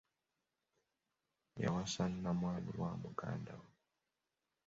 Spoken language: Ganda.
Yawasa nnamwandu wa muganda we.